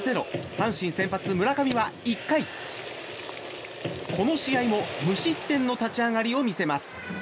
阪神先発、村上は１回この試合も無失点の立ち上がりを見せます。